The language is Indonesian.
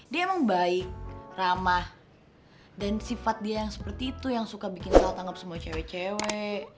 dia emang baik ramah dan sifat dia yang seperti itu yang suka bikin salah tanggap semua cewe cewe